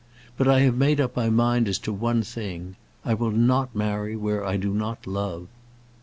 But I have made up my mind as to one thing. I will not marry where I do not love."